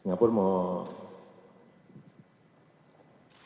singapura mau bantu